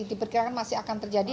diperkirakan masih akan terjadi